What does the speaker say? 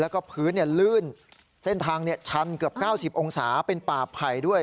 แล้วก็พื้นลื่นเส้นทางชันเกือบ๙๐องศาเป็นป่าไผ่ด้วย